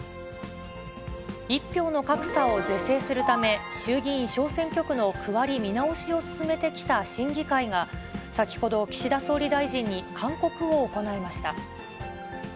１票の格差を是正するため、衆議院小選挙区の区割り見直しを進めてきた審議会が、先ほど岸田総理大臣に勧告を行いました。